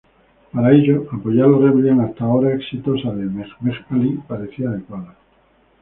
Para ello, apoyar la rebelión hasta ahora exitosa de Mehmet Alí parecía adecuada.